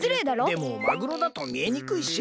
でもマグロだとみえにくいし。